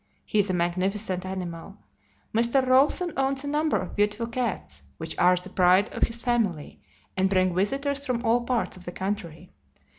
He is a magnificent animal. Mr. Rawson owns a number of beautiful cats, which are the pride of his family, and bring visitors from all parts of the country.